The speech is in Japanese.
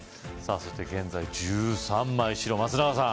そして現在１３枚白・松永さん